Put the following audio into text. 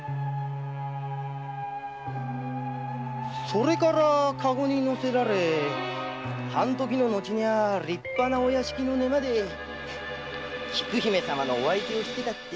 それから駕篭に乗せられ半時の後には立派なお屋敷の寝間で菊姫様のお相手をしてたってわけで。